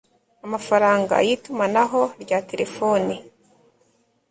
amafaranga y itumanaho rya telefoni